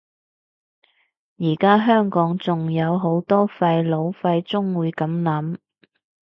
而家香港都仲有好多廢老廢中會噉諗